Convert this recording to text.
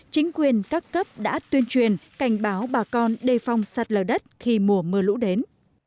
chính quyền các cấp đã tuyên truyền cảnh báo bà con đề phong sạt lở đất khi mùa mưa lũ đến